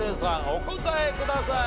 お答えください。